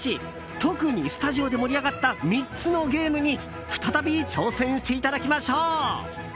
特にスタジオで盛り上がった３つのゲームに再び、挑戦していただきましょう。